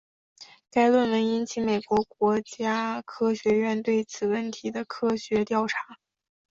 该论文引发了美国国家科学院对此问题的科学调查。